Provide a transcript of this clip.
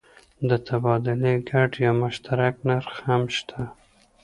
د تبادلې ګډ یا مشترک نرخ هم شته.